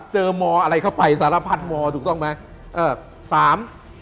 ๓เจอมอะไรเข้าไปสารพันธุ์มถูกต้องไหม